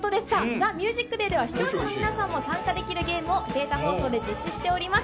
ＴＨＥＭＵＳＩＣＤＡＹでは、視聴者の皆さんも参加できるゲームを、データ放送で実施しております。